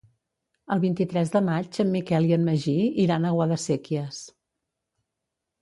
El vint-i-tres de maig en Miquel i en Magí iran a Guadasséquies.